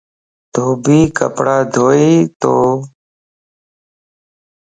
ڌوڀي ڪپڙا ڌوئي تو.